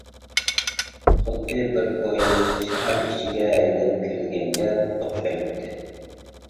خۇددى بىر پويىز شەھەر ئىچىگە ھەيدەپ كىرىلگەنگە ئوخشايتتى.